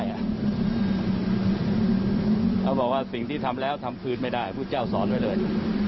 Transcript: เขาบอกว่าสิ่งที่ทำแล้วทำคืนไม่ได้ผู้เจ้าสอนไว้เลย